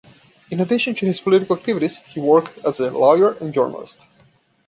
In addition to his political activities, he worked as a lawyer and journalist.